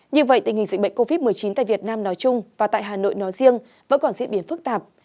như vậy tình hình dịch bệnh covid một mươi chín tại việt nam nói chung và tại hà nội nói riêng vẫn còn diễn biến phức tạp